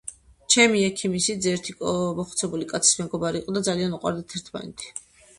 ჩემი ექიმი სიძე ერთი მოხუცებული კაცის მეგობარი იყო და ძალიან უყვარდათ ერთმანერთი.